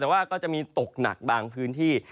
แต่ว่าก็จะมีตกหนักบางพื้นที่